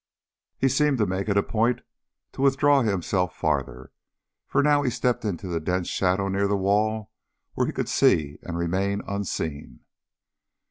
He seemed to make it a point to withdraw himself farther, for now he stepped into a dense shadow near the wall where he could see and remain unseen.